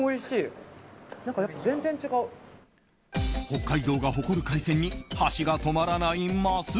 北海道が誇る海鮮に箸が止まらない、ます